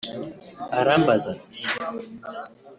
arambaza ati